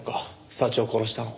早智を殺したの。